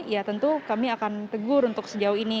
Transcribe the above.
ya tentu kami akan tegur untuk sejauh ini